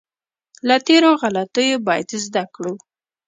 له تېرو غلطیو باید زده کړو.